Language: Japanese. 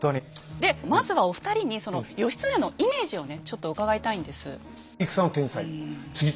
でまずはお二人にその義経のイメージをねちょっと伺いたいんです。